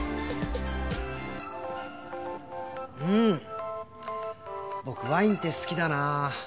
うん僕ワインって好きだな。